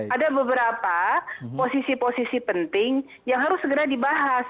ada beberapa posisi posisi penting yang harus segera dibahas